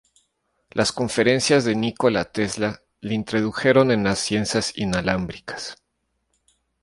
Las conferencias de Nikola Tesla le introdujeron en las ciencias inalámbricas.